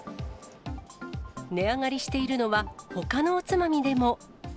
値上がりしているのは、ほかのおつまみでも。